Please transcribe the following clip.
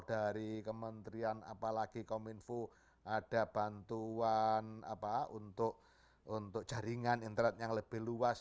dari kementerian apalagi kominfo ada bantuan untuk jaringan internet yang lebih luas